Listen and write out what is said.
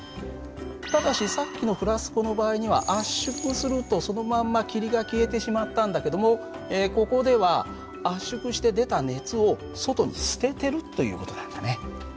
ただしさっきのフラスコの場合には圧縮するとそのまんま霧が消えてしまったんだけどもここでは圧縮して出た熱を外に捨ててるという事なんだね。